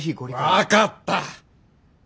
分かった。